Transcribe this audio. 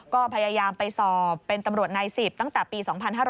ก็พยายามไปสอบเป็นตำรวจนาย๑๐ตั้งแต่ปี๒๕๕๙